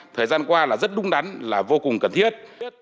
thời gian qua là rất đúng đắn là vô cùng cần thiết